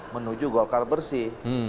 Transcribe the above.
menuju golkar bersih